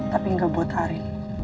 tapi gak buat hari